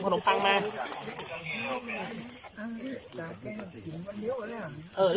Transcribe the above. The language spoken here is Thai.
เอามาจากไหน